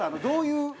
どういう。